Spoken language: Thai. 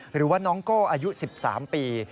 หรือว่าน้องโก้อายุ๑๓ปี